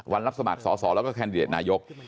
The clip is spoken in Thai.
รับสมัครสอสอแล้วก็แคนดิเดตนายก